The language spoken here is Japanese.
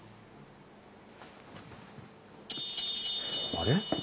あれ？